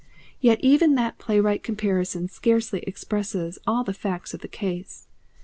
Yet even that playwright comparison scarcely expresses all the facts of the case.